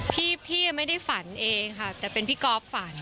พี่หรอพี่ไม่ได้ฝันเองโครงแต่เป็นพี่ป์ก๊อฟฝัน